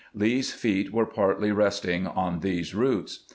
Lee's feet were partly resting on these roots.